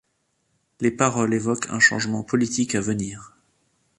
Les paroles évoquent un changement politique à venir.